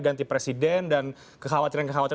ganti presiden dan kekhawatiran kekhawatiran